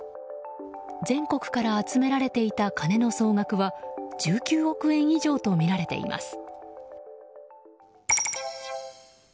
全国から集められていた金の総額は１９億円以上とみられています。